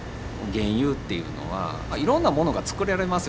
原油っていうのはいろんなものがつくられますよ。